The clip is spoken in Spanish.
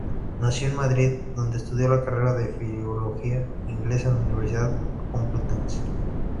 Nació en Madrid, donde estudió la carrera de Filología Inglesa en la Universidad Complutense.